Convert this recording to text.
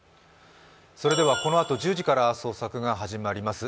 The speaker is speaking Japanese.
このあと１０時から捜索が始まります